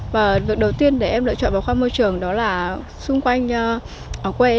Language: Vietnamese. và việc đầu tiên để em lựa chọn vào khoa môi trường đó là xung quanh ở quê